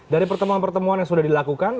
dari pertemuan pertemuan yang sudah dilakukan